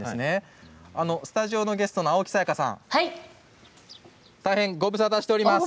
スタジオのゲストの青木さやかさん大変ご無沙汰しております。